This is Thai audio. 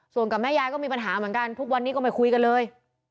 ส่วนกับแม่ยายก็มีปัญหาเหมือนกันทุกวันนี้ก็ไม่คุยกันเลย